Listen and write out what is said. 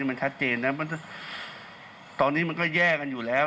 มันชัดเจนนะตอนนี้มันก็แย่กันอยู่แล้ว